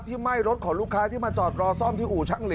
ไหม้รถของลูกค้าที่มาจอดรอซ่อมที่อู่ช่างเหล